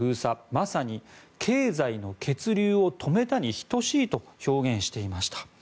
まさに経済の血流を止めたに等しいと表現していました。